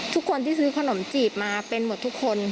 ทุกคนที่ซื้อขนมจีบมาเป็นหมดทุกคน